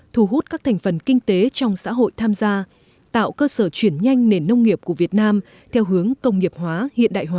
thu hút các thành phần kinh tế trong xã hội tham gia tạo cơ sở chuyển nhanh nền nông nghiệp của việt nam theo hướng công nghiệp hóa hiện đại hóa